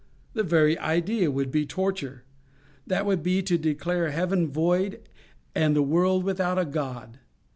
The very idea would be torture. That would be to declare heaven void, and the world without a God.